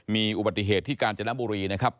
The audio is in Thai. มีอุบัติเหตุที่กาญจนบุรีนะครับ